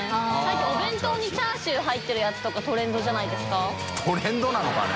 廼お弁当にチャーシュー入ってるやつとか肇譽鵐匹犬磴覆い任垢トレンドなのかね？